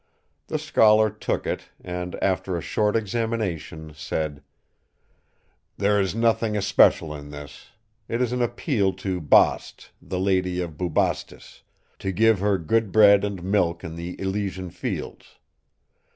The scholar took it; and, after a short examination, said: "There is nothing especial in this. It is an appeal to Bast, the Lady of Bubastis, to give her good bread and milk in the Elysian Fields.